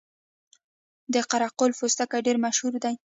د قره قل پوستکي ډیر مشهور دي